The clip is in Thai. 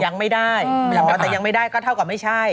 ยังไม่ได้แต่ยังไม่ได้ก็เท่ากับไม่ใช่